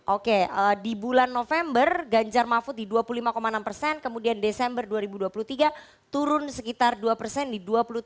oke di bulan november ganjar mahfud di dua puluh lima enam persen kemudian desember dua ribu dua puluh tiga turun sekitar dua persen di dua puluh tiga